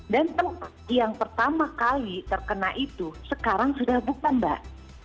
dan yang pertama kali terkena itu sekarang sudah buka mbak